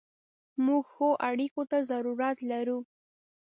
موږ ښو اړیکو ته ضرورت لرو.